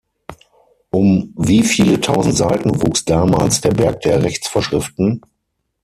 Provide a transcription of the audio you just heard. Um wie viele Tausend Seiten wuchs damals der Berg der Rechtsvorschriften?